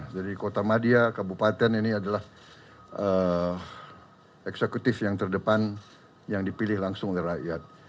jadi kota madia kabupaten ini adalah eksekutif yang terdepan yang dipilih langsung oleh rakyat